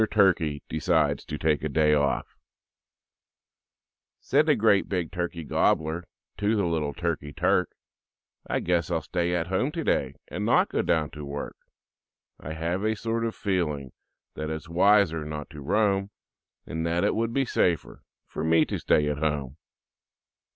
TURKEY DECIDES TO TAKE A DAY OFF Said the great big Turkey Gobbler To the little Turkey Turk, "I guess I'll stay at home today And not go down to work; "I have a sort of feeling That it's wiser not to roam And that it would be safer For me to stay at home."